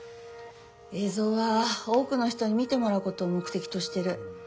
映像は多くの人に見てもらうことを目的としてる。